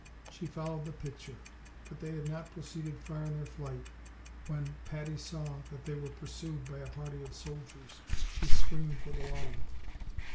She followed the pitcher; but they had not proceeded far in their flight when Patty saw that they were pursued by a party of soldiers: she screamed with alarm.